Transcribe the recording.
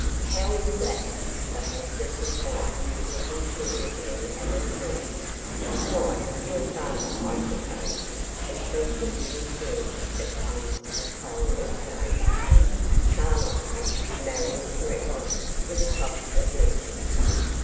"How is that?" the hostess inquired, looking curiously at her friend. "Why, your father, I suppose, has been thinking in terms of tons of coal all day " "Carloads," Marion corrected, with a toss of levity.